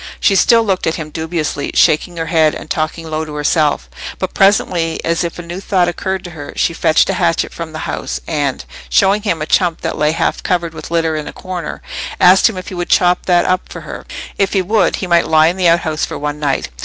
She still looked at him dubiously, shaking her head and talking low to herself; but presently, as if a new thought occurred to her, she fetched a hatchet from the house, and, showing him a chump that lay half covered with litter in a corner, asked him if he would chop that up for her: if he would, he might lie in the outhouse for one night.